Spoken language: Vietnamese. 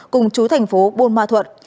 cùng chú thành phố bôn ma thuật